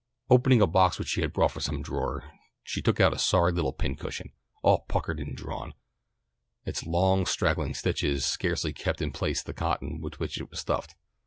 Opening a box which she brought from some drawer, she took out a sorry little pin cushion. All puckered and drawn, its long straggling stitches scarcely kept in place the cotton with which it was stuffed.